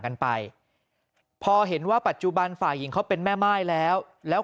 กันไปพอเห็นว่าปัจจุบันฝ่ายหญิงเขาเป็นแม่ม่ายแล้วแล้ว